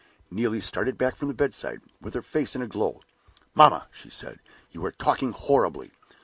Neelie started back from the bedside, with her face in a glow. "Mamma!" she said, "you are talking horribly!